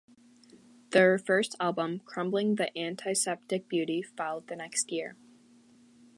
Their first album, "Crumbling the Antiseptic Beauty", followed the next year.